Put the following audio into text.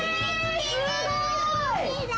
すごい！